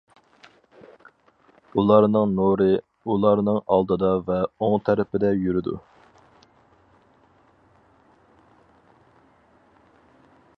ئۇلارنىڭ نۇرى ئۇلارنىڭ ئالدىدا ۋە ئوڭ تەرىپىدە يۈرىدۇ.